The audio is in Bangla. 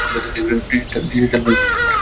digital remix E P